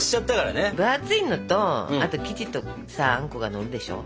分厚いのとあと生地とかさあんこがのるでしょ？